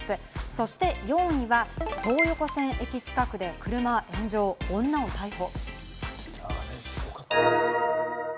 そして４位は東横線駅近くで車炎上、女を逮捕。